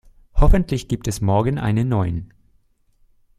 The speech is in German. Hoffentlich gibt es morgen einen neuen.